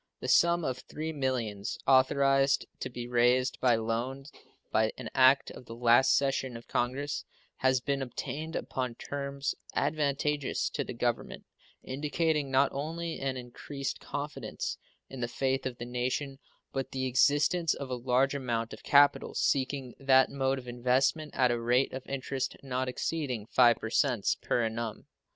The sum of $3 millions authorized to be raised by loan by an act of the last session of Congress has been obtained upon terms advantageous to the Government, indicating not only an increased confidence in the faith of the nation, but the existence of a large amount of capital seeking that mode of investment at a rate of interest not exceeding 5% per annum.